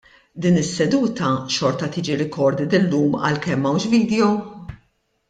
Din is-seduta xorta tiġi recorded illum għalkemm m'hawnx video?